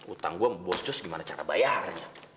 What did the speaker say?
utang aku akan diboscos bagaimana cara bayarnya